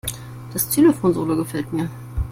Das Xylophon-Solo gefällt mir.